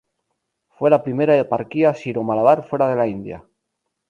Fue la primera eparquía siro-malabar fuera de la India.